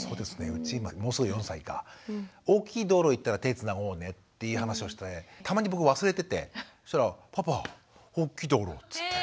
うちもうすぐ４歳か「大きい道路行ったら手つなごうね」っていう話をしてたまに僕忘れててそしたら「パパおっきい道路」っつって。